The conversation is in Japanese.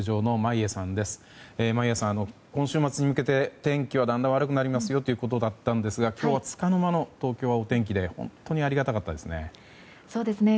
眞家さん、今週末に向けて天気はだんだん悪くなるということでしたが今日はつかの間の東京はお天気で本当にありがたかったですね。